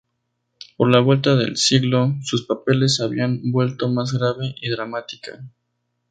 Por la vuelta del siglo, sus papeles se habían vuelto más grave y dramática.